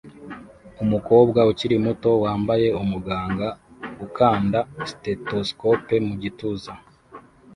Umukobwa ukiri muto wambaye umuganga ukanda stethoscope mu gituza